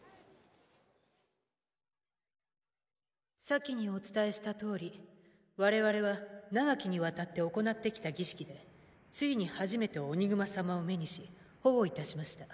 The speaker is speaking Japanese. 先にお伝えした通り我々は長きに亘って行ってきた儀式でついに初めてオニグマ様を目にし保護いたしました。